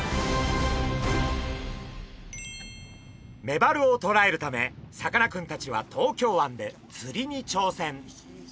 メバルをとらえるためさかなクンたちは東京湾で釣りに挑戦！